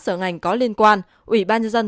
sở ngành có liên quan ủy ban dân